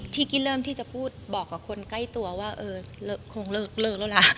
กี้เริ่มที่จะพูดบอกกับคนใกล้ตัวว่าเออคงเลิกแล้วล่ะ